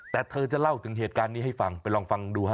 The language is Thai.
แต่เธอจะเล่าถึงเหตุการณ์นี้ให้ฟังไปลองฟังดูฮะ